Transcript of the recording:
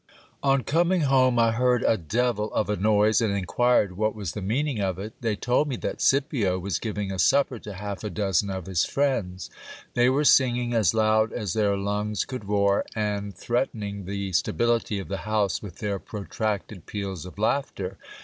On coming home. I heard a devil of a noise, and inquired what was the tneaning of it. They told me that Scipio was giving a supper to half a dozen of his friends. They were singing as loud as their lungs could roar, and threat ening the stability of the house with their protracted peals of laughter.